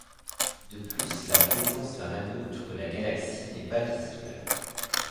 De plus la présence d'un anneau autour de la galaxie n'est pas visible.